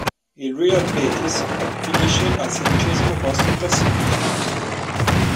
Il Real Betis finisce al sedicesimo posto in classifica.